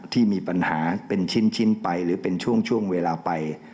ที่มีปัญหาเป็นชิ้นไปหรือเป็นช่วงเวลาไป